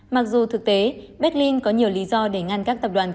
mặc dù thực tế berlin có nhiều lý do để ngăn các tập đoàn công an